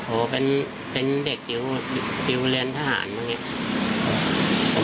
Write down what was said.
โหเป็นเด็กยิวเรียนทหารอะค่ะ